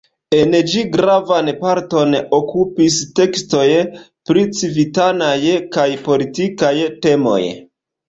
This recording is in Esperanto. En ĝi gravan parton okupis tekstoj pri civitanaj kaj politikaj temoj.